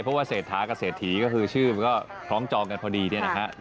เพราะว่าเศรษฐากับเศรษฐีก็คือชื่อมันก็คล้องจองกันพอดีเนี่ยนะฮะ